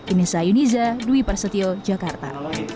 ini saya yuniza dwi prasetyo jakarta